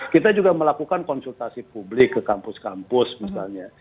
kita juga melakukan konsultasi publik ke kampus kampus misalnya